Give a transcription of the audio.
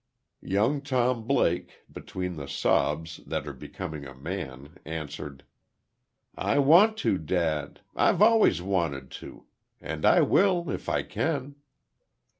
Young Tom Blake, between the sobs that are becoming a man, answered: "I want to, dad. I've always wanted to. And I will, if I can."